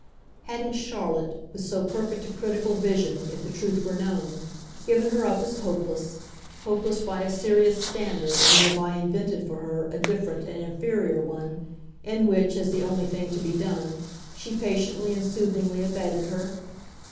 Hadn't Charlotte, with so perfect a critical vision, if the truth were known, given her up as hopeless hopeless by a serious standard, and thereby invented for her a different and inferior one, in which, as the only thing to be done, she patiently and soothingly abetted her?